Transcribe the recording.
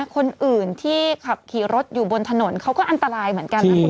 คนอื่นที่ขับขี่รถอยู่บนถนนเขาก็อันตรายเหมือนกันนะคุณ